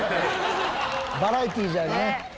バラエティじゃね。